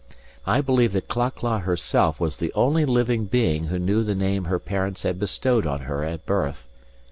I believe that Cla cla herself was the only living being who knew the name her parents had bestowed on her at birth.